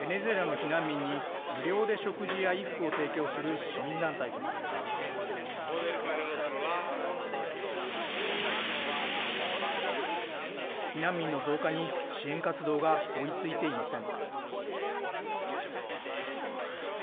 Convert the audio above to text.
避難民の増加に支援活動が追いついていません。